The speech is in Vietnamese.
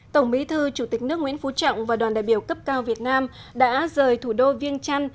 tổng bí thư chủ tịch nước nguyễn phú trọng và đoàn đại biểu cấp cao việt nam đã rời thủ đô viêng trăn